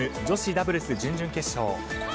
女子ダブルス準々決勝。